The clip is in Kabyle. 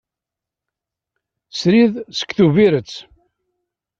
Srid seg Tubiret.